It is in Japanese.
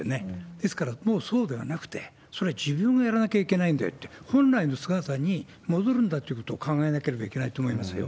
ですから、もうそうではなくて、それは自分がやらなきゃいけないんだよって、本来の姿に戻るんだということを考えなければいけないと思いますよ。